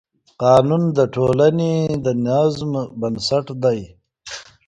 قانون د ټولنې د نظم بنسټ دی.